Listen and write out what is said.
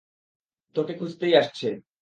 তোকে খুঁজতেই আসছে।